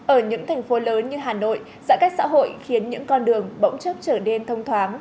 ở những thành phố lớn như hà nội giãn cách xã hội khiến những con đường bỗng chốc trở nên thông thoáng